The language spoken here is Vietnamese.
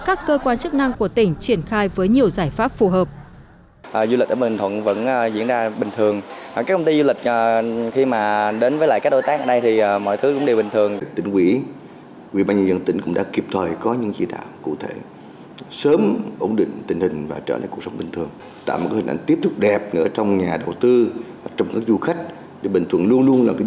các cơ quan chức năng của tỉnh triển khai với nhiều giải pháp phù hợp